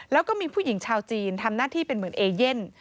แล้วก็มีผู้หญิงชาวจีนทำหน้าที่เป็นเหมือนเอเย่น